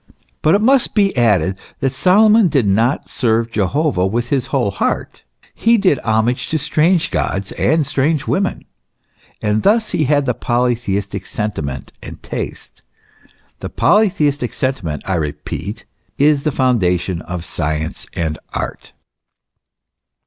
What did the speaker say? But it must be added that Solomon did not serve Jehovah with his whole heart ; he did homage to strange gods and strange women ; and thus he had the polytheistic sentiment and taste. The polytheistic sentiment, I repeat, is the foundation of science and art.